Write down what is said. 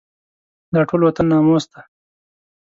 دا ټول وطن ناموس دی.